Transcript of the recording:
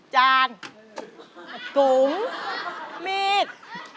จานกุมเม็ด